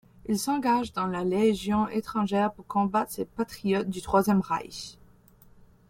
Il s'engage dans la Légion étrangère pour combattre ses compatriotes du Troisième Reich.